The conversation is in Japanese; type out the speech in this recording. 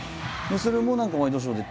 それも何かワイドショーでね